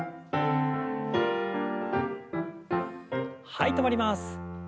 はい止まります。